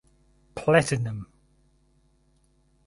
Platinum.